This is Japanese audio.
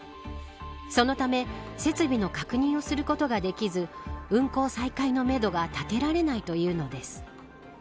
そのため設備の確認をすることができず運行再開のめどが立てられないというのです。